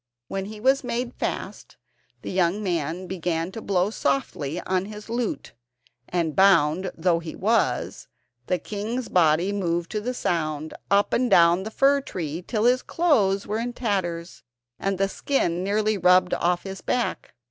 When he was made fast, the young man began to blow softly on his flute, and bound though he was, the king's body moved to the sound, up and down the fir tree till his clothes were in tatters, and the skin nearly rubbed off his back.